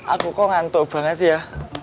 aku kok ngantuk banget sih ya